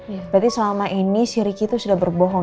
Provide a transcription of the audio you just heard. berarti selama ini si ricky itu sudah berbohong